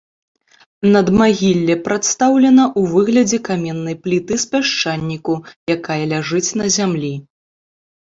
Надмагілле прадстаўлена ў выглядзе каменнай пліты з пясчаніку, якая ляжыць на зямлі.